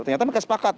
ternyata mereka sepakat